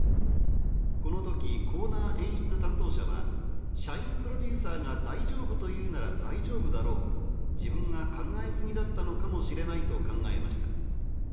このときコーナー演出担当者は、社員プロデューサーが大丈夫というなら大丈夫だろう、自分が考えすぎだったのかもしれないと考えました。